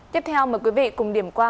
tiếp theo mời quý vị cùng điểm qua